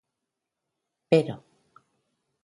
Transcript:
Pero